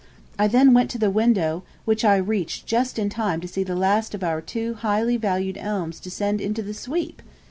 I then went to the window, which I reached just in time to see the last of our two highly valued elms descend into the Sweep!!!!